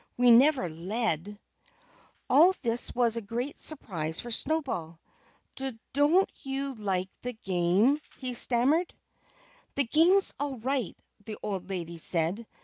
We never led." All this was a great surprise for Snowball. "D don't you like the game?" he stammered. "The game's all right," the old lady said.